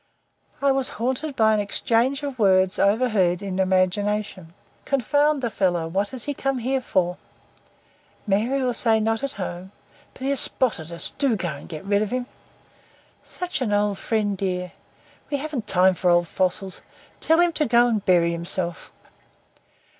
I was haunted by an exchange of words overheard in imagination: "Confound the fellow! What has he come here for?" "Mary will say 'not at home.'" "But he has spotted us. Do go and get rid of him." "Such an old friend, dear." "We haven't time for old fossils. Tell him to go and bury himself."